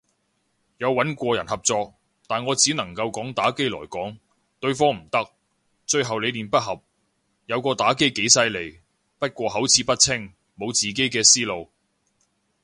有穩過人合作，但我只能夠講打機來講，對方唔得，最後理念不合，有個打機几犀利，不過口齒不清，無自己嘅思路。